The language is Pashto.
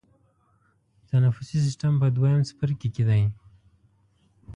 تنفسي سیستم په دویم څپرکي کې دی.